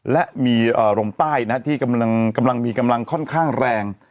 และมีลมใต้ที่กำลังมีกำลังค่อนข้างแรง